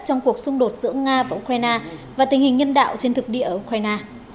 trong cuộc xung đột giữa nga và ukraine và tình hình nhân đạo trên thực địa ở ukraine